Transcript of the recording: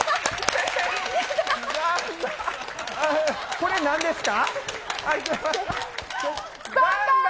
これ、なんですか？